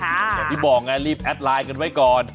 อย่างที่บอกไงรีบแอดไลน์กันไว้ก่อน